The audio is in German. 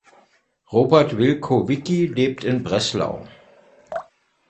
Robert Wilkowiecki lebt in Breslau.